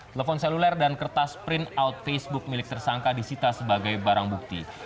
telepon seluler dan kertas sprint out facebook milik tersangka disita sebagai barang bukti